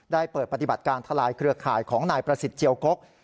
ได้เปิดปฏิบัติการทลายเครือข่ายของนายประสิทธิ์เจียวกก